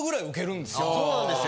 そうなんですよ。